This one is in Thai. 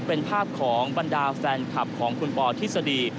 เป็นภาพของบรรดาแฟนคลับของคุณปอทฤษฎี